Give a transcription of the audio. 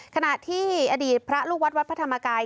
ขณะที่อดีตพระลูกวัดวัดพระธรรมกาย